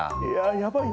やばいよ